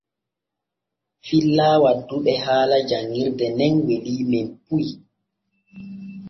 Filla wadduɓe haala janŋirde nen weliimen puy.